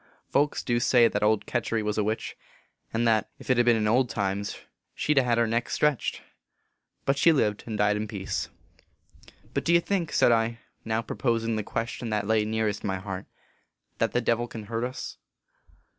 Folks du say that old Ketury was a witch, and that, ef t ben in old times, she d a hed her neck stretched ; but she lived and died in peace." 44 But do you think," said I, now proposing the question that lay nearest my heart, " that the Devil can hurt us